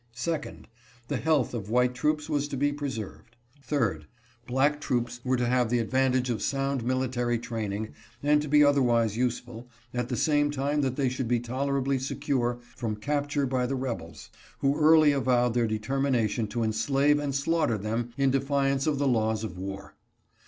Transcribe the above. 2d, The health of white troops was to be preserved. 3d, Black troops were to have the advantage of sound military training and to be otherwise useful, at the same time that they should be tolerably secure from capture by the rebels, who early avowed their determination to enslave and slaughter them in defiance of the laws of war.